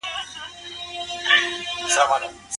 دغه پانګه په وړیا توګه مه ورکوئ.